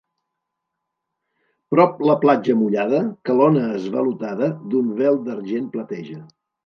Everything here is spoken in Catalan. Prop la platja mullada que l'ona esvalotada, d'un vel d'argent plateja.